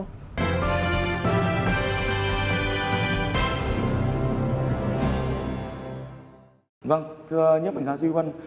vâng thưa nhếp ảnh gia duy huân